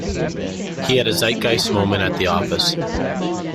He had a zeitgeist moment at the office.